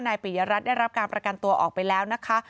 ปิยรัฐได้รับการประกันตัวออกไปแล้วนะคะ